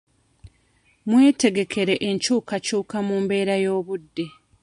Mwetegekere enkyukakyuka mu mbeera y'obudde.